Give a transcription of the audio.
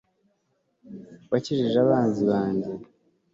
wankijije abanzi banjye